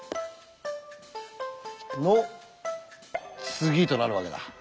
「３」はとなるわけだ。